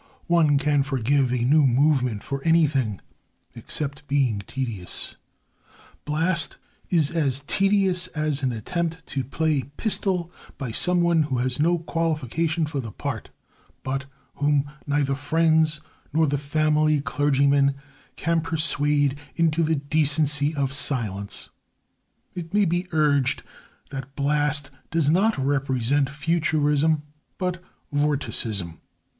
One can forgive a new movement for anything except being tedious: Blast is as tedious as an attempt to play Pistol by someone who has no qualification for the part, but whom neither friends nor the family clergyman can persuade into the decency of silence. It may be urged that Blast does not represent Futurism, but Vorticism.